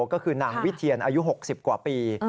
ก็คือนางวิเทียนอายุ๖๐กว่าปี